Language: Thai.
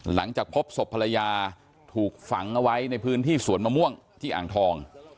หลังจากพบศพภรรยาถูกฝังเอาไว้ในพื้นที่สวนมะม่วงที่อ่างทอง